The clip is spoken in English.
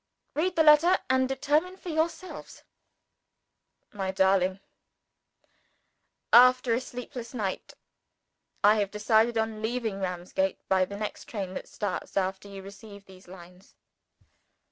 Read the letter and determine for yourselves: "MY DARLING, After a sleepless night, I have decided on leaving Ramsgate, by the next train that starts after you receive these lines.